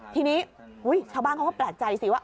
ทีนี้เฮ้ยเช้าบ้านเขาก็ประจัยสิว่า